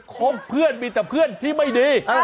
คงเพื่อนมีแต่เพื่อนที่ไม่ดี